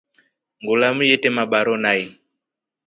Ngulamu yete mabaaro nai.